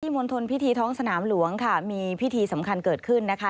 มณฑลพิธีท้องสนามหลวงค่ะมีพิธีสำคัญเกิดขึ้นนะคะ